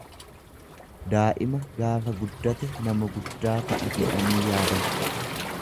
daa'ima gaafa guddate nama guddaa ta'a jedhanii yaadan.